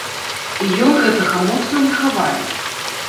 І ён гэтага моцна не хавае.